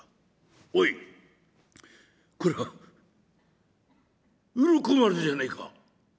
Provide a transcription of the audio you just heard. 「おいこれは鱗丸じゃないか」。